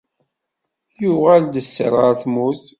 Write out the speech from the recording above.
Yuɣal-d sser ɣer tmurt.